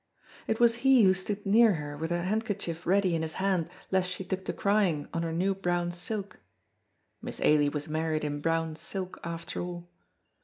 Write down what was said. It was he who stood near her with a handkerchief ready in his hand lest she took to crying on her new brown silk (Miss Ailie was married in brown silk after all).